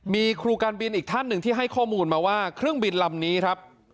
มีครูการบินอีกท่านหนึ่งที่ให้ข้อมูลมาว่าเครื่องบินลำนี้ครับ